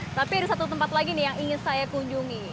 tapi ada satu tempat lagi nih yang ingin saya kunjungi